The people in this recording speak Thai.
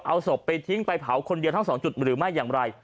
เอาศพไปทิ้งไปเผาคนเดียวทั้งสองจุดหรือไม่อย่างไร